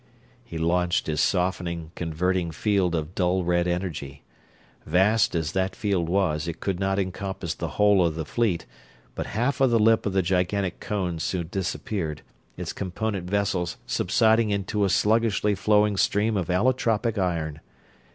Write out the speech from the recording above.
He launched his softening, converting field of dull red energy. Vast as that field was, it could not encompass the whole of the fleet, but half of the lip of the gigantic cone soon disappeared, its component vessels subsiding into a sluggishly flowing stream of allotropic iron.